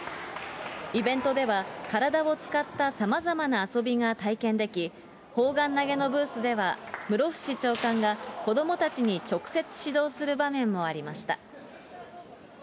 イベントでは、体を使ったさまざまな遊びが体験でき、砲丸投げのブースでは、室伏長官が子どもたちに直接指導する場面もありました。